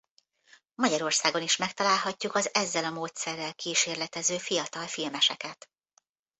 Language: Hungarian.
Magyarországon is megtalálhatjuk az ezzel a módszerrel kísérletező fiatal filmeseket.